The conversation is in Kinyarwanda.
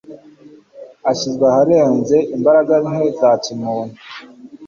ashyirwa aharenze imbaraga nke za kimuntu.